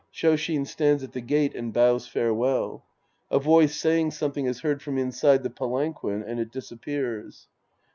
{Shoshin stands at the gate and bows farewell. A voice saying something is heard from inside the palan quin, and it disappears.